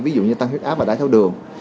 ví dụ như tăng huyết áp và đáy tháo đường